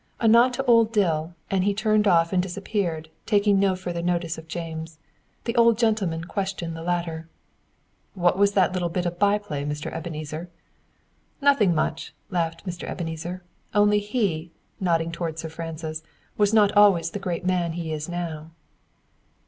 A nod to old Dill, and he turned off and disappeared, taking no further notice of James. The old gentleman questioned the latter. "What was that little bit of by play, Mr. Ebenezer?" "Nothing much," laughed Mr. Ebenezer. "Only he," nodding towards Sir Francis, "was not always the great man he is now."